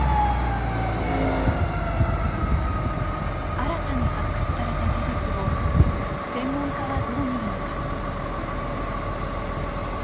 新たに発掘された事実を専門家はどう見るのか。